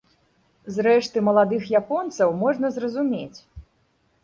Зрэшты, маладых японцаў можна зразумець.